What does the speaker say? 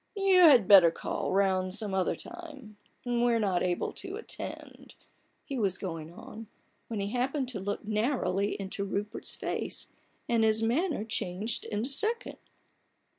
c( You had better call round some other time; we're not able to attend—" he was going on, when he happened to look narrowly into Rupert's face, and his manner changed in a second.